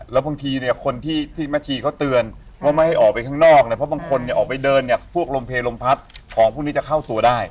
แล้วบางทีเนี่ยคนที่แม่ชีเขาเตือนว่าไม่ให้ออกไปข้างนอกเนี่ยเพราะบางคนเนี่ยออกไปเดินเนี่ยพวกลมเพลลมพัดของพวกนี้จะเข้าตัวได้